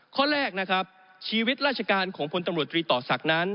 ข้อแรกนะครับชีวิตราชการของพลตำรวจตรีต่อศักดิ์นั้น